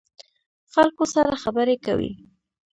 خلکو سره خبرې کوئ؟